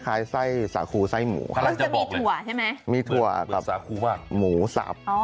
ข้างบัวแห่งสันยินดีต้อนรับทุกท่านนะครับ